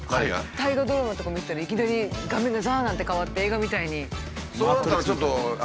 大河ドラマとか見てたらいきなり画面がザッ！なんて変わって映画みたいに。